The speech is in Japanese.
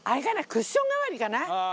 クッション代わりじゃない？